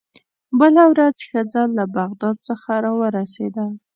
بله ورځ ښځه له بغداد څخه راورسېده.